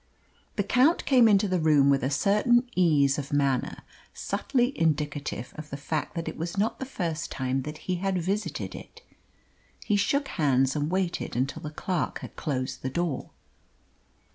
The Count came into the room with a certain ease of manner subtly indicative of the fact that it was not the first time that he had visited it. He shook hands and waited until the clerk had closed the door.